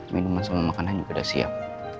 minuman sama makanan juga udah siap